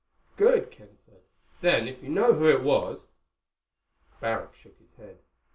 "Good," Ken said. "Then if you know who it was—" Barrack shook his head.